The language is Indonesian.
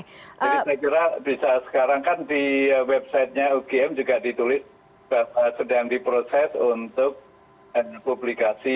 jadi saya kira bisa sekarang kan di websitenya ugm juga ditulis sedang diproses untuk publikasi